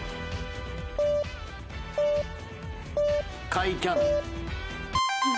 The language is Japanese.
甲斐キャノン。